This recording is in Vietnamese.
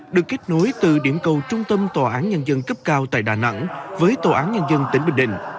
được kết nối từ điểm cầu trung tâm tòa án nhân dân cấp cao tại đà nẵng với tòa án nhân dân tỉnh bình định